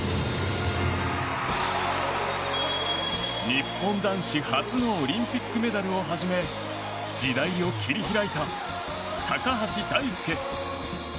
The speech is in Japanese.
日本男子初のオリンピックメダルをはじめ時代を切り開いた高橋大輔。